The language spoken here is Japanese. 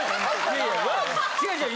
違う違う。